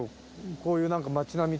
こういう町並み。